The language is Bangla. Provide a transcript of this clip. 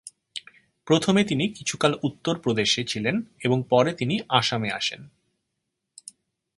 প্রথমে তিনি কিছুকাল উত্তর প্রদেশে ছিলেন এবং পরে তিনি আসামে আসেন।